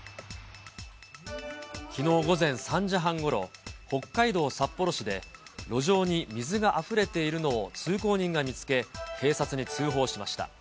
きのう午前３時半ごろ、北海道札幌市で、路上に水があふれているのを通行人が見つけ、警察に通報しました。